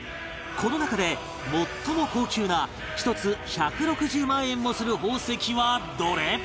この中で最も高級な１つ１６０万円もする宝石はどれ？